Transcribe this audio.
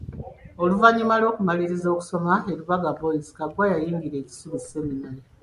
Oluvannyuma lw'okumaliriza okusoma e Lubaga boys Kaggwa yayingira Kisubi Seminary.